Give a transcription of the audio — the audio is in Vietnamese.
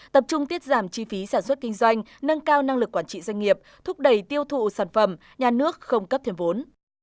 tập trung tiết giảm chi phí sản xuất kinh doanh nâng cao năng lực quản trị doanh nghiệp thúc đẩy tiêu thụ sản phẩm nhà nước không cấp thêm vốn